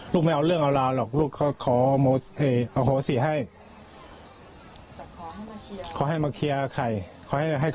ลูกไม่เอาเรื่องเอาลาหรอกลูกก็ขอโหสิให้